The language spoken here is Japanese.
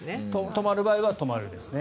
泊まる場合は泊まるですね。